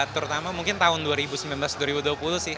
terutama mungkin tahun dua ribu sembilan belas dua ribu dua puluh sih